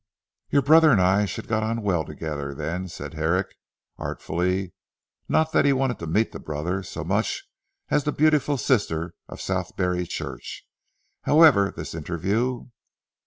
"Your brother and I should get on well together then," said Herrick artfully, not that he wanted to meet the brother so much as the beauty sister of Southberry Church, "however this interview!"